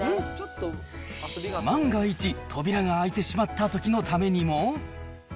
万が一、扉が開いてしまったときのためにも。